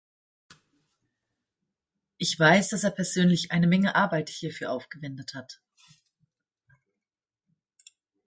Ich weiß, dass er persönlich eine Menge Arbeit hierfür aufgewendet hat.